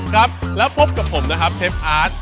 ครับแล้วพบกับผมนะครับเชฟอาร์ต